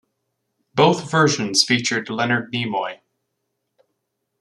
Both versions featured Leonard Nimoy.